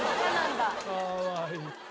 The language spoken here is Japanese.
かわいい。